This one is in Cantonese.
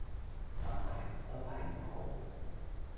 但係都係唔好